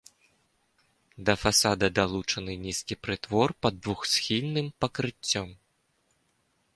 Да фасада далучаны нізкі прытвор пад двухсхільным пакрыццём.